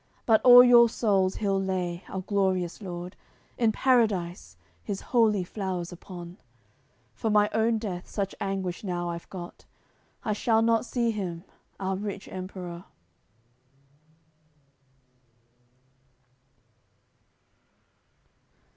But all your souls He'll lay, our Glorious God, In Paradise, His holy flowers upon! For my own death such anguish now I've got; I shall not see him, our rich Emperor."